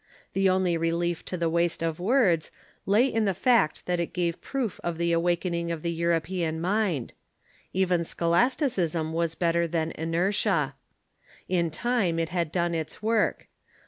The only relief to the waste of words lay in the fact that it gave proof of the awakening of the European mind. Even scholas ticism was better than inertia. In time it had done its work.